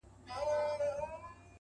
ارزښتونه انسان ثابت ساتي!.